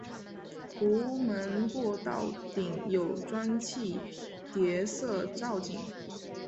壸门过道顶有砖砌叠涩藻井。